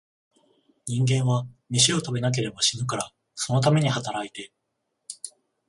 人間は、めしを食べなければ死ぬから、そのために働いて、